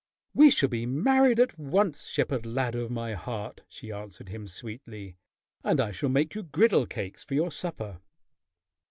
"We shall be married at once, shepherd lad of my heart," she answered him sweetly, "and I shall make you griddlecakes for your supper."